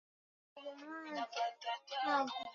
Katiba ya Jamhuri ya Uturuki inamtambua kama